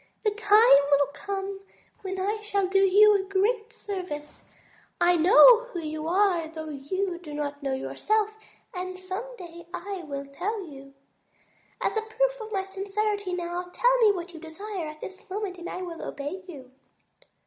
The time will come when I shall do you a great service. I know who you are though you do not know yourself and some day I will tell you. As a proof of my sincerity now, tell me what you desire at this moment and I will obey you."